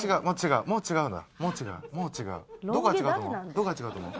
どこが違うと思う？